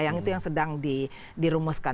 yang itu yang sedang dirumuskan